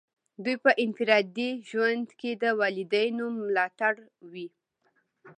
دوی په انفرادي ژوند کې د والدینو ملاتړ وي.